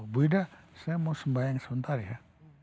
bu ida saya mau sembayang sebentar ya